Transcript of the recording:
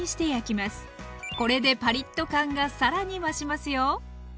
これでパリッと感がさらに増しますよ。